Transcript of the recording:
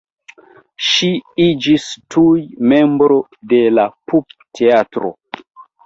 Ŝi iĝis tuj membro de la pupteatro.